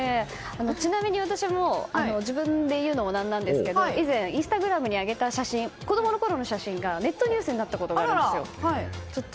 ちなみに私も、自分で言うのもなんなんですが以前、インスタグラムに上げた写真、子供のころの写真がネットニュースになったことがあるんですよ。